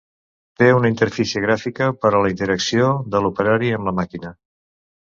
Té una interfície gràfica per a la interacció de l'operari amb la màquina.